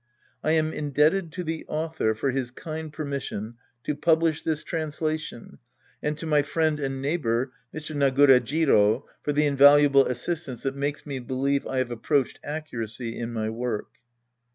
I am indebted to the author for his kind permission to publish this translation and to my friend and neighbor, Mr. Nagura Jiro, for the invaluable assist ance that makes me believe I have approached accuracy in my work.